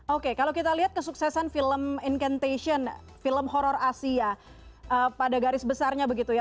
oke kalau kita lihat kesuksesan film intentation film horror asia pada garis besarnya begitu ya